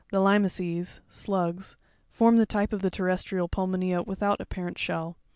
12. The Limaces (slugs) form the type of the terrestrial pulmonea without apparent shell.